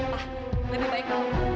pak lebih baik kamu